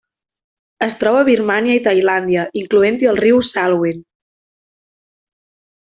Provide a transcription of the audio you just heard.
Es troba a Birmània i Tailàndia, incloent-hi el riu Salween.